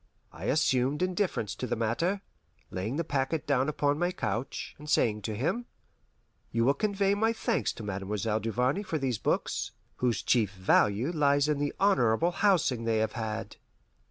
I assumed indifference to the matter, laying the packet down upon my couch, and saying to him, "You will convey my thanks to Mademoiselle Duvarney for these books, whose chief value lies in the honourable housing they have had."